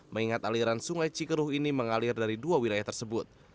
mengingat aliran sungai cikeruh ini mengalir dari dua wilayah tersebut